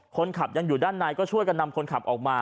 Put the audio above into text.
คนขับยังอยู่ด้านในก็ช่วยกันนำคนขับออกมา